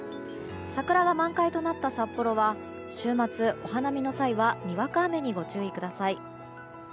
桜が満開となった札幌は週末、お花見の際はにわか雨にご注意ください。